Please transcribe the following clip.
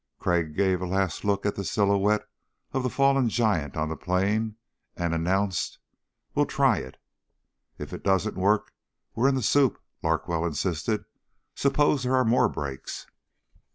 Crag gave a last look at the silhouette of the fallen giant on the plain and announced: "We'll try it." "If it doesn't work, we're in the soup," Larkwell insisted. "Suppose there are more breaks?"